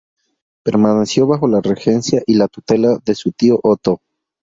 Permaneció bajo la regencia y la tutela de su tío Otto.